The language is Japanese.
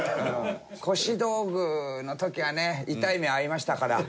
腰道具の時はね痛い目遭いましたから。